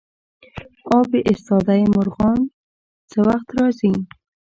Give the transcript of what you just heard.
اب ایستاده مرغان څه وخت راځي؟